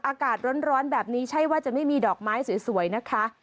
อากาศร้อนแบบนี้ใช่ว่าจะไม่มีดอกไม้สวยนะคะ